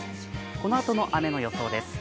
このあとの雨の予想です。